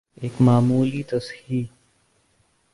ایک معمولی تصحیح